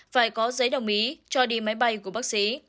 phải có giấy đồng ý cho đi máy bay của bác sĩ